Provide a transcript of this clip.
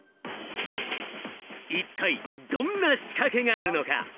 一体どんな仕掛けがあるのか？